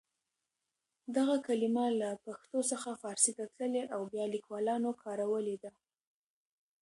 دغه کلمه له پښتو څخه پارسي ته تللې او بیا لیکوالانو کارولې ده.